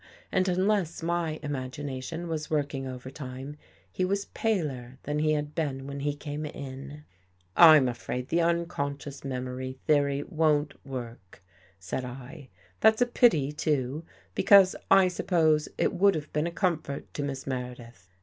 And unless my imagination was working over time, he was paler than he had been when he came in. " I'm afraid the unconscious memory theory won't work," said I. "That's a pity, too; because I sup pose it would have been a comfort to Miss Mere dith."